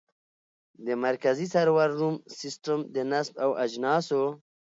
د مرکزي سرور روم سیسټم د نصب او اجناسو